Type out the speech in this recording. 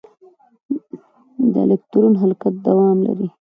د الکترون حرکت دوام لري.